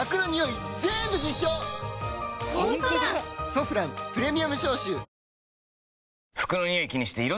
「ソフランプレミアム消臭」服のニオイ